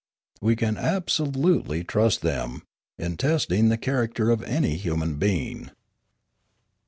We can absolutely trust them, in test ing the character of any human being.